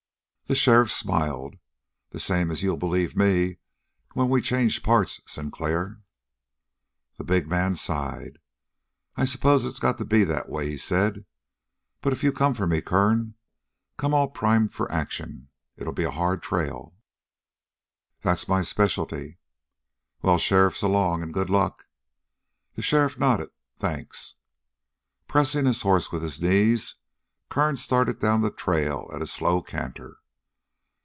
The sheriff smiled. "The same as you'll believe me when we change parts, Sinclair." The big man sighed. "I s'pose it's got to be that way," he said. "But if you come for me, Kern, come all primed for action. It'll be a hard trail." "That's my specialty." "Well, sheriff, s'long and good luck!" The sheriff nodded. "Thanks!" Pressing his horse with his knees, Kern started down the trail at a slow canter.